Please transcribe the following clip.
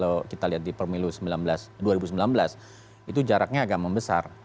kalau kita lihat di pemilu dua ribu sembilan belas itu jaraknya agak membesar